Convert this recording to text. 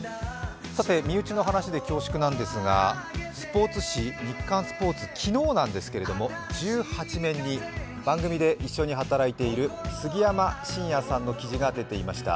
身内の話で恐縮なんですが、日刊スポーツ、昨日なんですけども、１８面に番組で一緒に働いている杉山真也さんの記事が出ていました。